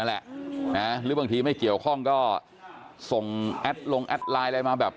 หรือบางที่ไม่เกี่ยวข้องก็ส่งไลน์ลงแอ็ดไลน์มา